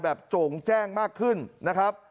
โจ่งแจ้งมากขึ้นนะครับ